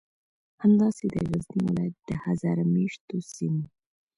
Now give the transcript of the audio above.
همداسې د غزنی ولایت د هزاره میشتو سیمو